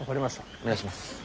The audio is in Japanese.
お願いします。